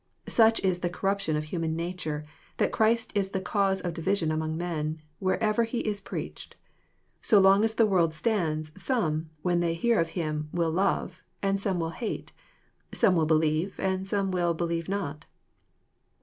Such is the corruption of human nature, that Christ is the cause of division among men, wherever He is preached. So long as the world stands, dome, when they hear of Him, will love, and some will hate, — some will believe, and some will believe not.